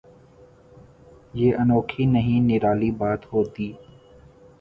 یہ انوکھی نہیں نرالی بات ہوتی۔